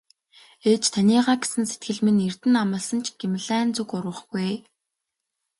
Ээж таныгаа гэсэн сэтгэл минь эрдэнэ амласан ч Гималайн зүг урвахгүй ээ.